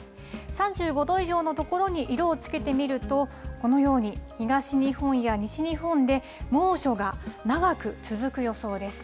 ３５度以上の所に色を付けてみると、このように東日本や西日本で、猛暑が長く続く予想です。